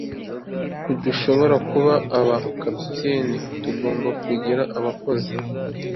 ntidushobora kuba ba capitaine, tugomba kugira abakozi